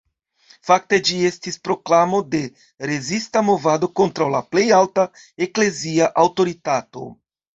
Fakte ĝi estis proklamo de rezista movado kontraŭ la plej alta eklezia aŭtoritato.